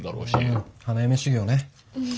ああ花嫁修業ね。